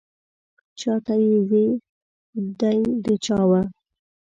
چا ته یې وې دی د چا و.